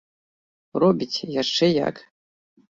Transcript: Робіць, і яшчэ як!